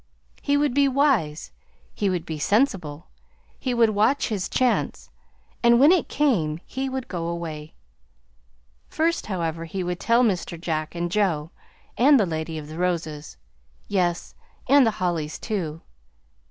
He would be wise he would be sensible. He would watch his chance, and when it came he would go away. First, however, he would tell Mr. Jack and Joe, and the Lady of the Roses; yes, and the Hollys, too.